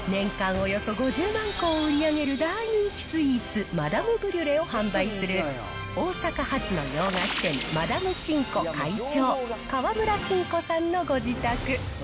およそ５０万個を売り上げる大人気スイーツ、マダムブリュレを販売する、大阪発の洋菓子店、マダムシンコ会長、川村信子さんのご自宅。